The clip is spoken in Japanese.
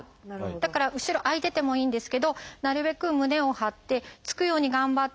だから後ろ空いててもいいんですけどなるべく胸を張ってつくように頑張って。